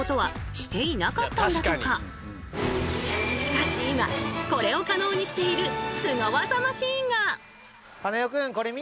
しかし今これを可能にしているスゴ技マシンが！